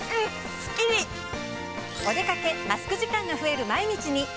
お出掛けマスク時間が増える毎日に。